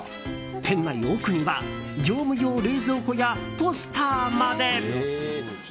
店内の奥には業務用冷蔵庫やポスターまで。